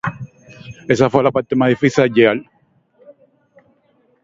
Esa fue la parte más difícil a llegar.